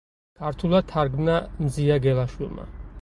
ქართულად თარგმნა მზია გელაშვილმა.